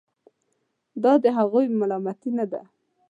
دا د هغوی ملامتي نه ده.